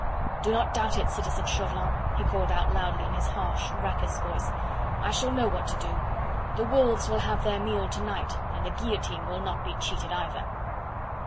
"Do not doubt it, citizen Chauvelin," he called out loudly in his harsh, raucous voice, "I shall know what to do; the wolves will have their meal to night, and the guillotine will not be cheated either."